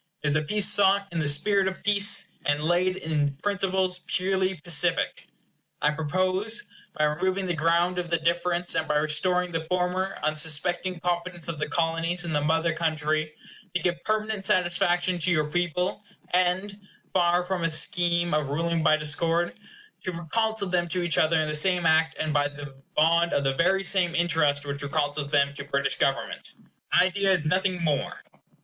It is peace sought in the spirit of peace, and laid in principles purely pacific. I propose, by removing the ground of the difference, and by restoring the former unsuspecting confidence of the Colonies in the Mother Country, to give permanent satisfaction to your people; and (far from a scheme of ruling by discord) to reconcile them to each other in the same act and by the bond of the very same interest which reconciles them to British government. My idea is nothing more.